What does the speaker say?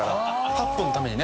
８分のためにね。